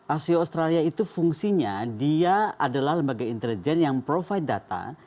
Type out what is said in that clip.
asio australia itu fungsinya dia adalah lembaga intelijen yang provide data